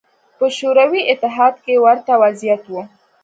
په شوروي اتحاد کې ورته وضعیت و